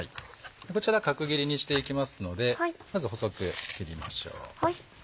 こちら角切りにしていきますのでまず細く切りましょう。